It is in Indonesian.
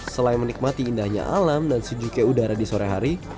selain menikmati indahnya alam dan sejuke udara di sore hari